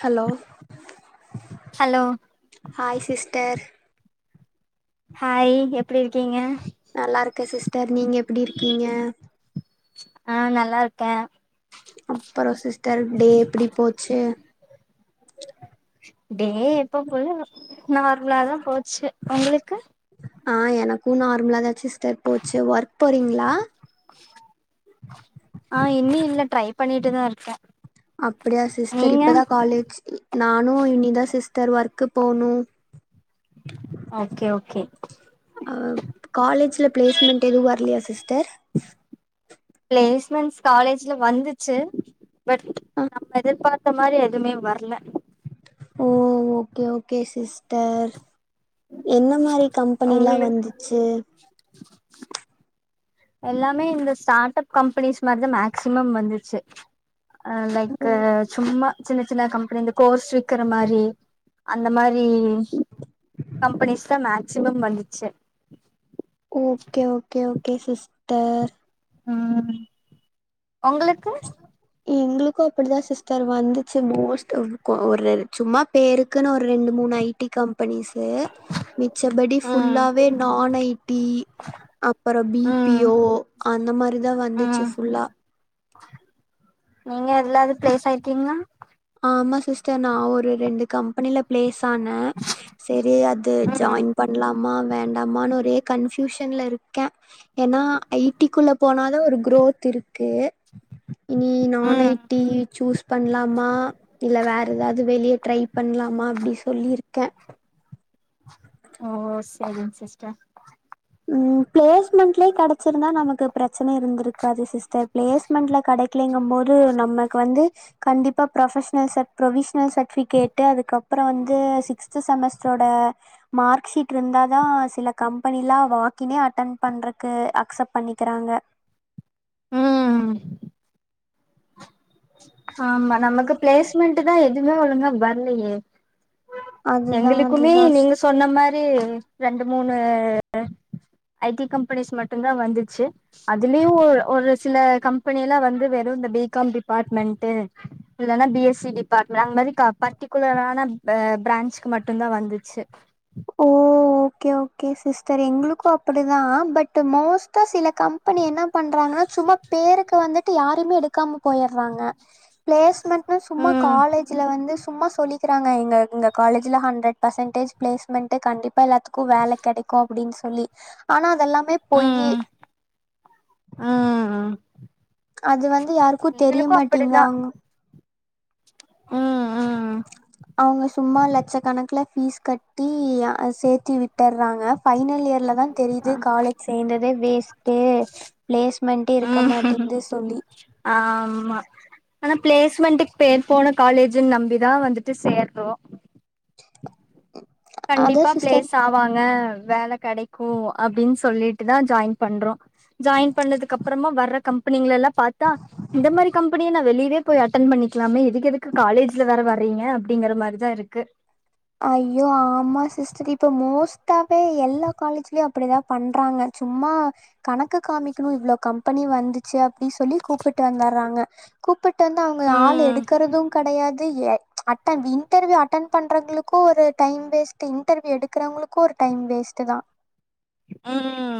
Hello hello hi sister hi எப்டி இருக்கீங்க நல்லா இருக்க சிஸ்டர் நீங்க எப்டி இருக்கீங்க ஆ நல்லா இருக்கே அப்றோ சிஸ்டர் டே எப்டி போச்சு டே எப்பம் போல நார்மலாதா போச்சு உங்களுக்கு ஆ எனக்கு நார்மலா தா சிஸ்டர் போச்சு ஒர்க் போறீங்ளா ஆ இன்னு இல்ல ட்ரை பண்ணிட்டுதா இருக்கே அப்படியா சிஸ்டர் நீங்க இப்பதா காலேஜ் நானு இனி தா சிஸ்டர் ஒர்க்கு போணு ஓகே ஓகே அ காலேஜ்ல பிளேஸ்மெண்ட் எது வர்லையா சிஸ்டர் பிளேஸ்மெண்ஸ் காலேஜ்ல வந்துச்சு பட் நம்ம எதிர்பாத்த மாரி எதுமே வர்ல ஓ ஓகே ஓகே சிஸ்டர் என்ன மாரி கம்பெனிலா உங்களு வந்துச்சு எல்லாமே இந்த ஸ்டாட் அப் கம்பெனிஸ் மாத்ரிதா மேக்சிமம் வந்துச்சு அ லைக்க சும்மா சின்ன சின்ன கம்பெனி இந்த கோர்ஸ் விக்கிற மாரி அந்த மாரி கம்பெனிஸ் தா மேக்சிமம் வந்துச்சு ஓகே ஓகே ஓகே சிஸ்டர் ம் ஒங்களுக்கு எங்களுக்கு அப்டிதா சிஸ்டர் வந்துச்சு மோஸ்ட் ஆப் கோ ஒரு சும்மா பேருக்குன்னு ஒரு ரெண்டு மூணு ஐ டி கம்பெனிஸு மிச்சபடி ம் ஃபுல்லாவே நான் ஐ டி அப்றோ பி பி ம் ஓ அந்த மாரி தா வந்துச்சு ம் ஃபுல்லா நீங்க எதலாது ப்ளேஸ் ஆயிர்கீங்ளா ஆமா சிஸ்டர் நா ஒரு ரெண்டு கம்பெனில ப்ளேஸான செரி அது ம் ஜாய்ன் பண்லாமா வேண்டாமானு ஒரே கன்ஃயூஷன்ல இருக்கே ஏனா ஐ டி க்குள்ள போனாதா ஒரு குரோத் இருக்கு இனி நான் ஐ ம் டி சூஸ் பண்ணலாமா இல்ல வேற எதாவ்து வெளிய ட்ரை பண்லா மா அப்டி சொல்லியிருக்கே ஓ செரிங் சிஸ்டர் ம் பிளேஸ்மெண்ட்லயே கெடச்சிருந்தா நமக்கு பிரச்சன இருந்திருக்காது சிஸ் டர் பிளேஸ்மெண்ட்ல கடைக்லிங்கம் போது நமக்கு வந்து கண்டிப்பா ப்ரொஃபஷனல் ச ப்ரொவிஷ்னல் சர்டிபிகேட் டு அதுக்கப்ற வந்து சிக்ஸ்த் செமஸ்ட்ரோட மார்க் ஷீட் இருந்தாதா சில கம்பெனிலா வாக்கினே அட்டென் பண்றக்கு அக்செப்ட் பண்ணிக்கிறாங்க ம் ஆமா நமக்கு பிளேஸ்மெண்ட் தா எதுவுமே ஒழுங்கா வர்லையே அதுதா எங்களுக்குமே அதுதா நீங்க சொன்ன மாரி ரெண்டு மூணு ஐ டீ கம்பெனிஸ் மட்டும்தா வந்துச்சு அதுலயு ஒ ஒரு சில கம்பெனி எல்லா வந்து வெறும் இந்த பி. காம் டிபாட்மெண்ட்டு இல்லனா பி. எஸ்சி டிபார்ட்மெண்ட் அந்த மாதிரி பர்டிகுலரான பிரான்ச்க்கு மட்டுதா வந்துச்சு ஓ ஓகே ஓகே சிஸ்டர் எங்களுக்கு அப்டி தா பட் மோஸ்ட்டா சில கம்பெனி என்ன பண்றாங்கன்னா சும்மா பேருக்கு வந்துட்டு யாருமே எடுக்காம போய்ட்றாங்க ப்ளேஸ்மெண்ட சும்மா ம் காலேஜ்ல வந்து சும்மா சொல்லிக்கிறாங்க எங் எங்க காலேஜ்ல ஹண்டரட் பெசன்டேஜ் ப்ளேஸ் மென்டு கண்டிப்பா எல்லாத்துக்கு வேல கெடக்கு அப்டின்னு சொல்லி ஆனா அதெல்லாமே பொய் ம் ம் அது வந்து யாருக்கு எங்களுக்கு அப்படிதா தெரியமாட்டேங்கறாங்கோ ம் ம் ஆ அவங்க சும்மா லட்ச கணக்குல ஃபீஸ் கட்டி சேத்தி விட்டர்றாங்க பைனல் இயர்ல தா தெரியுது காலேஜ் சேந்ததே வேஸ்டு பிளேஸ்மெண்ட் இருக்க மாட்டேது சொல்லி ஆம்மா ஆனா ப்ளேஸ்மெண்ட்டுக்கு பேர் போன காலேஜ்‌ன்னு நம்பிதா வந்துட்டு சேர்றோ உஹம் கண்டிப்பா பிளேஸ் ஆவாங்க வேல கடைக்கு அப்டின்னு சொல்லிட்டு தா ஜாயின் பண்றோ ஜாயின் பண்ணதுக்கு அப்பறமா வர்ற கம்பெனிங்க எல்லா பாத்தா இந்த மாதிரி கம்பெனிய நா வெளியவே போய் அட்டன் பண்ணிக்கலாமே இதுக்கு எதுக்கு காலேஜ்ல வேற வர்றீங்க அப்டிங்குற மாதிரிதா இருக்கு ஐயோ ஆமா சிஸ்டர் இப்போ மோஸ் ட்டாவே எல்லா காலேஜ்லயு அப்டிதா பண்றாங்க சும்மா கணக்கு‌ காமிக்கணு இவ்ளோ கம் பெனி வந்துச்சு அப்டி சொல்லி கூப்ட்டு வந்துர்றாங்க கூப்புட் ட் வந்து அவுங்க ஆளு ம் எடுக்கறது கெடையாது ஏ அட்டன் இன்டர்வியூ அட்டன் பண்றங்களுக்கு கு ஒரு டைம் வேஸ்ட் இன்டர்வியூ எடுக்கறவங்களுக்கும் ஒரு டைம் வேஸ்ட்டு தா ம்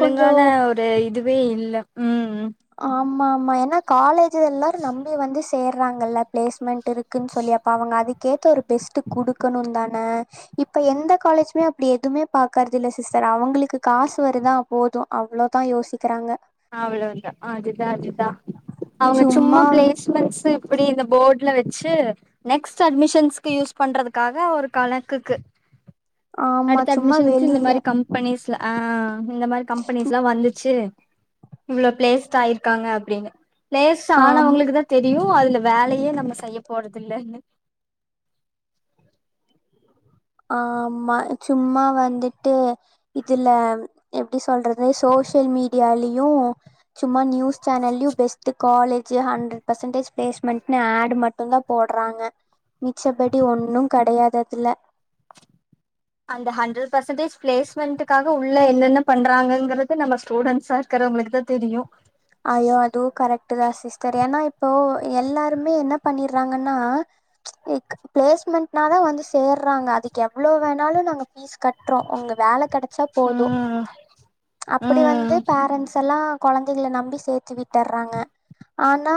கொஞ்சோ ஒரு இதுவே இல்ல உம் ஆம்மாம்மா ஏன்னா காலேஜ் எல்லாரு நம்பி வந்து சேர்றாங்கள்ல ப்ளேஸ்மெண்ட் இருக்குன்னு சொல்லி அப்போ அவங்க அதுக்கேத்த ஒரு பெஸ்ட்டு குடுக்கணு தான இப்ப எந்த காலேஜுமே அப்டி எதுவுமே பாக்கறது இல்ல சிஸ்டர் அவங்களுக்கு காசு வருதா போது அவ்ளோதா யோசிக்கிறாங்க அவ்ளோதா அதுதா அதுதா அவுங்க சும்மா பிளேஸ்மெண்ட்ஸ் அப்டி இந்த போர்ட்ல வச்சு நெக்ஸ்ட் அட்மிஷன்ஸ்கு யூஸ் பண்றதுக்காக ஒரு கணக்குக்கு ஆமா அடுத்த சும்மா அட்மிஷன்ஸ்க்கு இந்த வெளிய மாதிரி கம்பெனிஸ்ல ஆ இந்த மாதிரி கம்பெனிஸ்ல்லா வந்துச்சு இவ்ளோ ப்ளேஸ்ட் ஆயிருக்காங்க அப்டின்னு பிளேஸ்ட் ஆனா ஆம் அவங்களுக்கு தா தெரியு அதுல வேலையே நம்ம செய்ய போறதில்லன்னு ஆம்மா சும்மா வந்துட்டு இதுல எப்டி சொல்றது சோசியல் மீடியாலயு சும்மா நியூஸ் சானல்லயு பெஸ் ட் காலே ஹண்ட்ரட் பர்சன்டேஜ் பிளேஸ்மெட்னு ஆட் மட்டுந்தா போடுறாங்க மிச்சபடி ஒன்னு கிடையாது அதுல அந்த ஹண்ட்ரட் பர்சன்டேஜ் பிளேஸ்மெண்டுக்காக உள்ள என்னென்ன பண்றாங்கங்கறது நம்ம ஸ்டூடண்ட்ஸா இருக்குறவங்களுக்கு தா தெரியு ஐயோ அதுவு கரெக்டு தா சிஸ்டர் ஏன்னா இப்போ எல்லாருமே என்ன பண்ணிறாங்கன்னா லைக் பிளேஸ்மெண்ட்னாதா வந்து சேர்றாங்க அதுக்கு எவ்வளோ வேணாலு நாங்க ஃபீஸ் கட் அப்றோ உங்க வேலை கிடைச்சா போது ம் அப்படி வந்து ம் பேரண்ட்ஸ் எல்லா குழந்தைகள நம்பி சேத்து விட்டுறாங்க ஆனா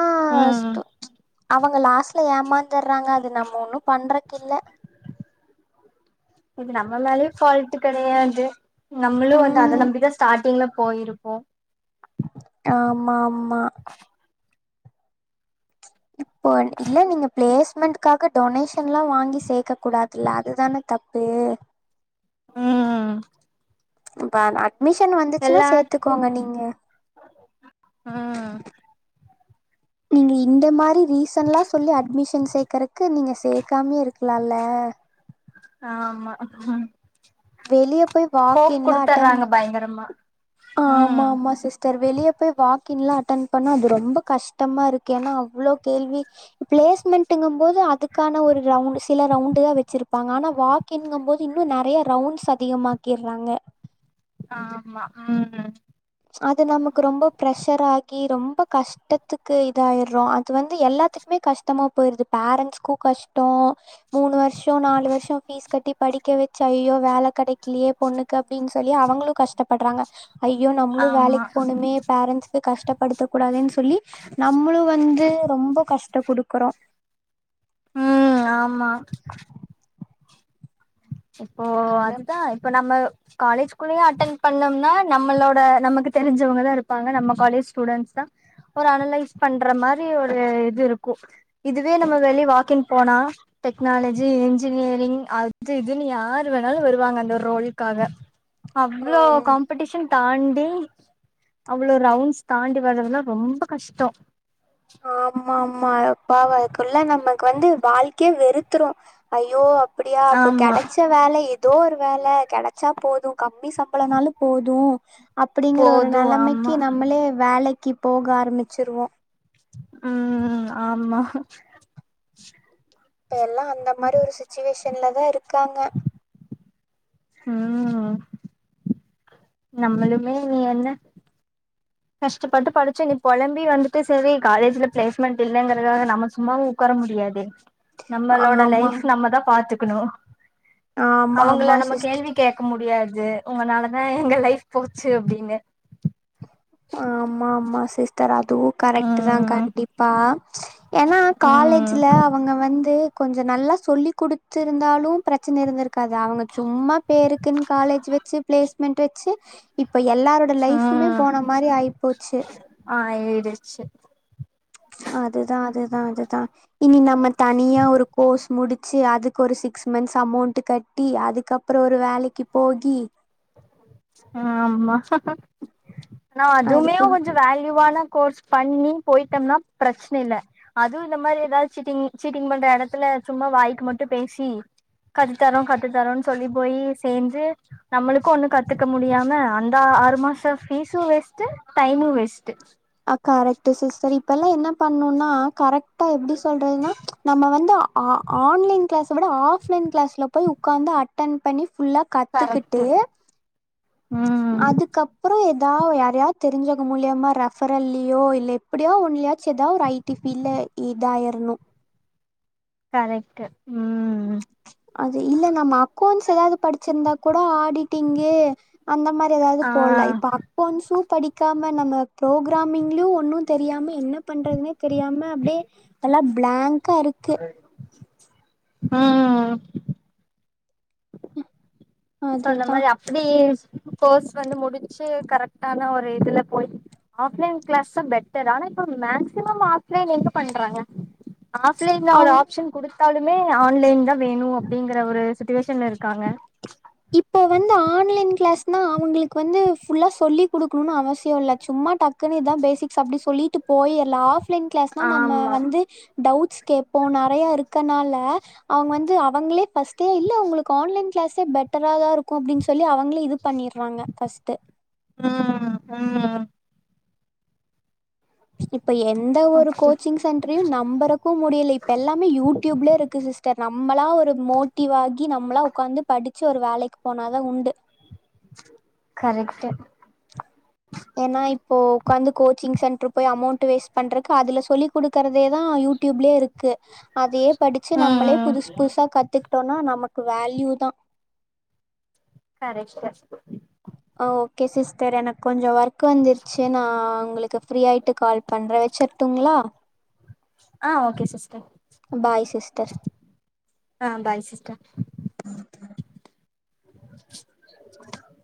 ம் ஸ்டூ அவுங்க லாஸ்ட்ல ஏமாந்துர்றாங்க அது நம்ம ஒன்னு பண்றக்கு இல்ல இது நம்ம மேலயு ஃபால்ட் கிடையாது நம்மளு வந்து அதை ம் நம்பிதா ஸ்டார்டிங்ல போயிருப்போ ஆமா ஆமா இப்போ இல்ல நீங்க பிளேஸ்மெண்ட் க்காக டொனேஷன் எல்லா வாங்கி சேக்க கூடாதுல அதுதான தப்பு ம் [unintelligible] மிஷன் வந்துச்சுன்னா எல்லாத்துக்கு சேத்துக்கோங்க நீங்க நீங்க இந்த மாரி ரீசன்ல்லா சொல்லி அட்மிஷன் சேக்கறக்கு நீங்க சேக்காமயே இருக்க லால்ல ஆமா வெளிய போய் ஹோப் வாக்கின்லா அட்டன் குடுத்தர்றாங்க பயங்கரமா ஆமா ம் ஆமா சிஸ் சார் வெளிய போய் வாக்கின்லா அட்டென் பண்ணா அது ரொம்ப கஷ்டமா இருக்கு ஏன்னா அவ்வளோ கேள்வி பிளேஸ்மெண்ட்டுங்கும் போது அதுக்கான ஒரு ரவுன் சில ரவுண்டு தா வெச்சிருப்பாங்க ஆனா வாக் க்கின்கும்போது இன்னு நறைய ரவுண்ட்ஸ் அதிகமாக்கிறாங்க ஆமா ம் அது நமக்கு ரொம்ப பிரஷர் ஆகி ரொம்ப கஷ் ட்டத்துக்கு இதாயிறோ அது வந்து எல்லாத்துக்குமே கஷ்டமா போயிருது பேரண்ட்ஸ்கு கஷ்டோ மூணு வருஷோ நாலு வருஷோ ஃபீஸ் கட்டி படிக்க வெச்சு ஐயோ வேலை கிடைக்கலையே பொண்ணுக்கு அப்படின்னு சொல்லி அவங்களு கஷ்டப்படுறாங்க ஐயோ நம்ம மளு ஆமா வேலைக்கு போணுமே பேரண்ட்ஸ்க்கு கஷ்டப்படுத்த கூடாதுன்னு சொல்லி நம்மளு வந்து ரொம்ப கஷ்ட குடுக்குறோ ம் ஆமா இப்போ என்ன அதுதா இப்ப நம்ம காலேஜ் குள்ளயு அட்டென் பண்ணம்னா நம்மளோட நமக்கு தெரிஞ்சவங்கதா இருப்பாங்க நம்ம காலேஜ் ஸ்டூடெண்ட்ஸ் தா ஒரு அனலைஸ் பண்ற மாரி ஒரு இது இருக்கு இதுவே நம்ம வெளிய வாக்கின் போனா டெக்னாலஜி இன்ஜினியரிங் அது து இதுன்னு யாரு வேணாலு வருவாங்க அந்த ஒரு ரோலுக்காக அவ்வளோ ம் காம்படிஷன் தாண்டி அவ்வளோ ரவுண்ட்ஸ் தாண்டி வர்றதுலா ரொம்ப கஷ்டோ ஆமா ஆமா அப்ப அதுக்குள்ள நமக்கு வந்து வாழ்க்கையே வெறுத்துரும் ஐயோ அப்படியா அப்ப ஆமா கிடைச்ச வேலை எதோ ஒரு வேலை கிடைச்சா போது கம் ம்மி சம்பளோனாலு போது அப்படிங்கற ஒரு போது நிலைமைக்கு ஆமா நம்மளே வேலைக்கு போக ஆரமிச்சிருவோ ம் ஆமா இப்ப எல்லா அந்த மாரி ஒரு சுச்சுவேஷன்ல தா இருக்காங்க ம் நம்மளுமே நீ என்ன கஷ்டப்பட்டு படிச்சு இனி பொலம்பி வந்துட்டு செரி காலேஜ்ல பிளேஸ்மெண்ட் இல்லைங்கறக்காக நம்ம சும்மா உக்கார முடியாது நம்மளோட ஆமா லைஃப் நம்மதா பாத்துக்கணு ஆமா அவங்கள ஆமா நம்ம சிஸ்டர் கேள்வி கேட்க முடியாது உங்களனாலதா எங்க லைஃப் போச்சு அப்டின்னு ஆமா ஆமா சிஸ்டர் அதுவு கரெக்ட் தா ம் கண்டிப்பா ஏன்னா காலே ம் ஜில ம் அவங்க வந்து கொஞ்ச நல்லா சொல்லிக் குடுத்துருந்தாலு பிரச்சனை இருந்திருக் காது அவங்க சும்மா பேருக்குன்னு காலேஜ் வச்சு பிளேஸ்மெண்ட் வச்சு இப்ப எல்லாரோ இந்த லைஃபுமே போனம் ஆ ஏறிச்சு அதுதா அதுதா அதுதா இனி நம்ம தனியா ஒரு கோர்ஸ் முடிச்சு அதுக்கு ஒரு சிக்ஸ் மந்த்ஸ் அமௌண்ட் க ட்டி அதுக்கப்புற ஒரு வேலைக்கு போகி ஆமா நா அதுமே அதுக்குள் கொஞ்சோ வேல்யூவான கோர்ஸ் பண்ணி போயிட்டோம்னா பிரச்சனை இல்ல அதுவு இந்த மாதிரி ஏதாவது சீட்டிங் சீட்டிங் பண்ற எடத்துல சும்மா வாய்க்கு மட்டு பேசி கத்துத்தரோ கத்து தரோன்னு சொல்லி போய் சேந்து நம்மளுக்கு ஒண்ணு க த்துக்க முடியாம அந்த ஆறு மாசோ ஃபீஸ்சு வேஸ்ட்டு டைமு வேஸ்ட்டு அ கரெக்ட் சிஸ்டர் இப்ப எல்லா என்ன பண்ணுனா கரெக் டா எப்டி சொல்றதுன்னா நம்ம வந்து ஆ ஆன்லைன் கிளாஸ் விட ஆஃப்லைன் கிளாஸ்ல போய் உக்காந்து அட் டன் பண்ணி ஃபுல்லா கத்துக்கிட்டு கரெக்ட்டு ம் அதுக்கு அப் புற ஏதாவது யாராவது தெரிஞ்சது மூலியமா ரெபர்ல்யோ இல்ல எப்டியோ ஒன்லாயாசு ஏதாவது ஐ டி ஃபீல்ட்ல இதாயிரணு கரெக்ட் ம் அது இல்ல நம்ம அக்கௌண்ட்ஸ் ஏதாவது படிச்சிருந்தா கூட ஆடிட்டிங்கு அந்த மாரி ஏதாவது ஆ போடல இப்ப அக்கவுண்ஸும் படிக்காம நம்ம புரோக்கரிமிங்லயும் ஒ ன்னு தெரியாம என்ன பண்றதுன்னே தெரியாம அப்டியே நல்லா பிளங்கா இருக்கு ம்ம் சோ அந்த அதுதா மாரி அபடி கோர்ஸ் வந்து முடிச்சு கரெக்டான ஒரு இதுல போயி ஆஃப்லைன் கிளாஸ்தா பெட்டர் ஆனா இப்ப மேக்சிமம் ஆஃப்லைன் எங்க பண்றாங்க ஆஃப்லைன்ல ஒரு அவ் ஆப்ஷன் குடுத்தாலுமே ஆன்லைன் தா வேணு அப்டிங்கிற ஒரு சுச்சுவேஷன்ல இருக்காங்க இப்ப வந்து ஆன்லைன் கிளாஸ் தா அவங்களுக்கு வந்து ஃபுல்லா சொல்லி குடுக்கணும்னு அவசிய இல்ல சும்மா டக்குன்னு இதா பேசிக்ஸ் அப்டின்னு சொல்லிட்டு போயிரல ஆஃப்லைன் கிளாஸ்னா நம்ம ஆமா வந்து டவுட்ஸ் கேப்போ நெறையா இருக்கனால அவங்க வந்து அவங்களே பர்ஸ்ட்டே இல்ல உங்களுக்கு ஆன்லைன் கிளாஸே பெட் ட்டரா தா இருக்கு அப்டின்னு சொல்லி அவங்களே இது பண்ணிடுறாங்க ஃபர்ஸ்ட்டு ம் ம் இப்ப எந்த ஒரு அப்டி கோச்சிங்ஸ் சென்டரையு நம்பறக்கு முடியலை இப்ப எல்லாமே யூடியூப்ல இருக்கு சிஸ்டர் நம்மளா ஒரு மோட்டிவ் ஆகி கி நம்மளா உக்காந்து படிச்சு ஒரு வேலைக்கு போனாதா உண்டு கரேக்ட்டு ஏன்னா இப்போ உக்காந்து கோச்சிங் சென்டரு போய் அமௌண்ட் வேஸ்ட் பண்றக்கு அதுல சொல்லி குடுக்குறதேதா யூ டியூப்லயே இருக்கு அதையே படிச்சி நம்மளே ம் புதுசு புதுசா கத்துக்கிட்டோம்னா நமக்கு வேல்யூ தா கரெக்ட் ஓகே சிஸ்டர் எனக்கு கொஞ்சோ ஒர்க் வந்துருச்சி நா உங்களுக்கு ஃப்ரீயாயிட்டு கால் பண்றே வெச்சிறுட்டுங்ளா ஆ ஓகே சிஸ்டர் பாய் சிஸ்டர் ஆ பாய் சிஸ்டர்